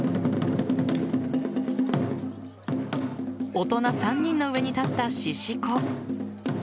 大人３人の上に立った獅子子。